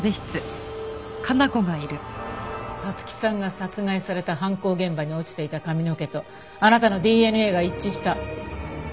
彩月さんが殺害された犯行現場に落ちていた髪の毛とあなたのＤＮＡが一致した。